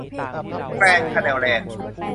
แกรนด์ คาแนล แลนด์